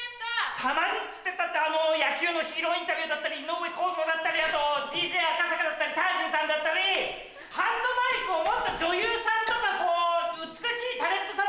たまにっつったって野球のヒーローインタビューだったり井上公造だったりあとＤＪ赤坂だったりタージンさんだったりハンドマイクをもっと女優さんとかこう。